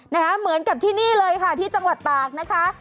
เหมือนกับที่นี่เลยค่ะที่จังหวัดตากนะคะ